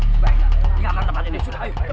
ya silakan menikmati hidangan ini